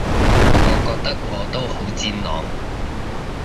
我覺得我都好戰狼